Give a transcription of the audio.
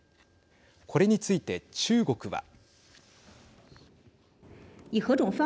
これについて中国は。